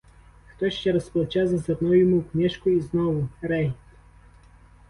Хтось через плече зазирнув йому в книжку і знову — регіт.